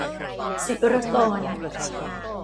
ศิรกร